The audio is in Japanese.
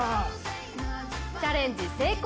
チャレンジ成功。